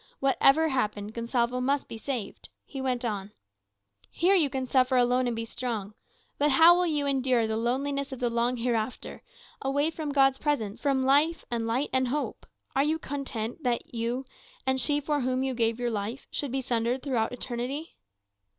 Whatever happened, Gonsalvo must be saved. He went on, "Here you can suffer alone and be strong. But how will you endure the loneliness of the long hereafter, away from God's presence, from light and life and hope? Are you content that you, and she for whom you give your life, should be sundered throughout eternity?"